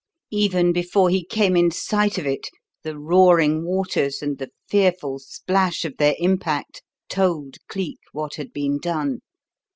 Even before he came in sight of it the roaring waters and the fearful splash of their impact told Cleek what had been done.